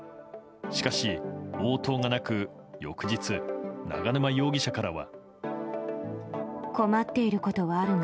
しかし応答がなく翌日、永沼容疑者からは。